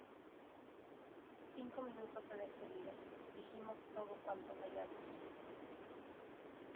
Cinco minutos de despedida, dijimos todo cuanto callamos.